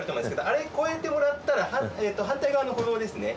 あれ越えてもらったら反対側の歩道ですね。